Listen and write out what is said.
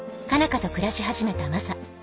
花と暮らし始めたマサ。